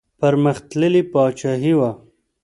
پرمختللې پاچاهي وه.